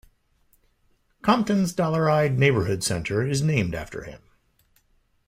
Compton's Dollarhide Neighborhood Center is named after him.